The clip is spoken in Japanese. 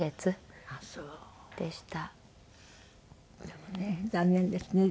でもね残念ですね。